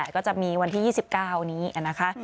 ก็จะมีวันที่๒๙นี้นะคะ